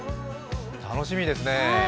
楽しみですね。